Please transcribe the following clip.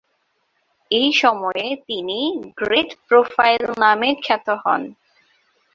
এই সময়ে তিনি "গ্রেট প্রোফাইল" নামে খ্যাত হন।